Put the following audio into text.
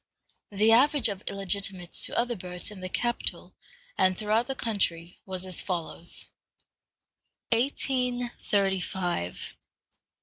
The average of illegitimate to other births in the capital and throughout the country was as follows: ++|| 1835.